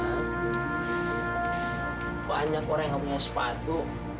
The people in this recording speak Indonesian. banyak orang yang nggak punya sepatu